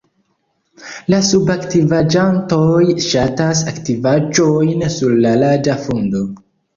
La subakviĝantoj ŝatas aktivaĵojn sur la laga fundo.